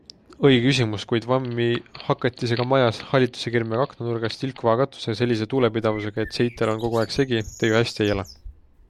Õige küsimus, kuid vammihakatisega majas, hallitusekirmega aknanurgas, tilkuva katusega ja sellise tuulepidavusega, et seitel on kogu aeg segi, te ju hästi ei ela?